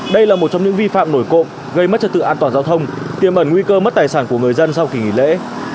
đây là một trong những vi phạm nổi cộm gây mất trật tự an toàn giao thông tiêm ẩn nguy cơ mất tài sản của người dân sau kỳ nghỉ lễ